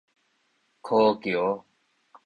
柯橋